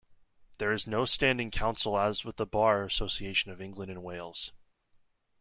There is no standing council as with the Bar association of England and Wales.